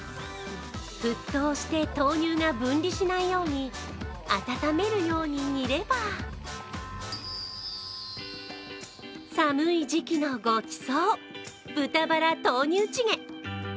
沸騰して、豆乳が分離しないように、温めるように煮れば寒い時期のごちそう、豚バラ豆乳チゲ。